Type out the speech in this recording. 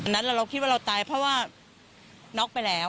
นั้นเราคิดว่าเราตายเพราะว่าน็อกไปแล้ว